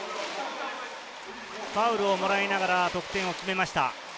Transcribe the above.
ファウルをもらいながら得点を決めました。